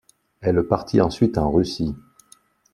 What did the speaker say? Elle partit ensuite en Russie.